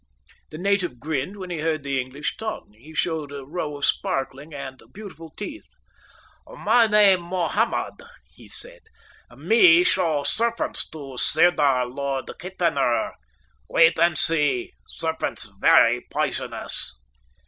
The native grinned when he heard the English tongue. He showed a row of sparkling and beautiful teeth. "My name Mohammed," he said. "Me show serpents to Sirdar Lord Kitchener. Wait and see. Serpents very poisonous."